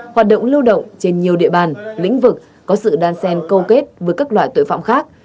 hoạt động lưu động trên nhiều địa bàn lĩnh vực có sự đan sen câu kết với các loại tội phạm khác